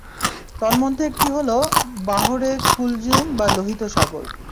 তন্মধ্যে একটি হলো, বাহরে কুলযুম বা লোহিত সাগর।